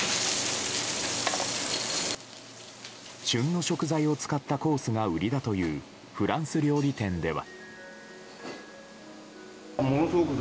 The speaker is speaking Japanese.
旬の食材を使ったコースが売りだというフランス料理店では。